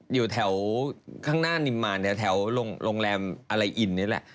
อยู่แถวข้างหน้านิมมารแถวโรงแรมอะไรอินนี่แหละ